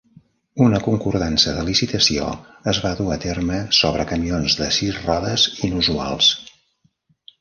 Una concordança de licitació es var dur a terme sobre camions de sis rodes inusuals.